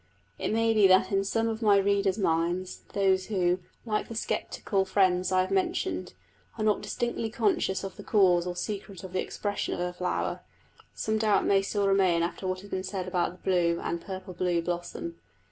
It may be that in some of my readers' minds those who, like the sceptical friends I have mentioned, are not distinctly conscious of the cause or secret of the expression of a flower some doubt may still remain after what has been said of the blue and purple blue blossom.